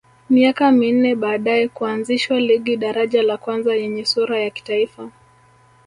Miaka minne baadae kuanzishwa ligi daraja la kwanza yenye sura ya kitaifa